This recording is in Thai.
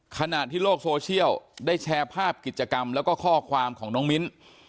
ขณะที่โลกโซเชียลได้แชร์ภาพกิจกรรมแล้วก็ข้อความของน้องมิ้น